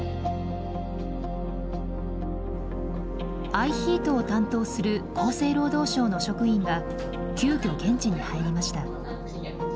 ＩＨＥＡＴを担当する厚生労働省の職員が急きょ現地に入りました。